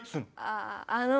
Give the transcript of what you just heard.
あああの。